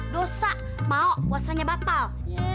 dosa mau puasanya batal